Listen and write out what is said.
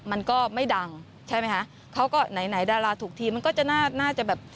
มันก็ไม่ดังใช่ไหมคะเขาก็ไหนไหนดาราถูกทีมันก็จะน่าจะแบบ